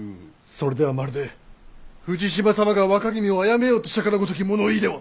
それではまるで富士島様が若君を殺めようとしたかのごとき物言いでは。